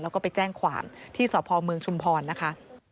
แล้วก็ไปแจ้งความที่สพเมืองชุมพรนะคะ